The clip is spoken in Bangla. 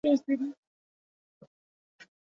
বিট্টো, তোর মন কী বলে?